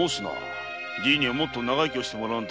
もっと長生きをしてもらわんと。